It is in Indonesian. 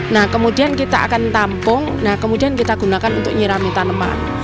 nah kemudian kita akan tampung nah kemudian kita gunakan untuk nyirami tanaman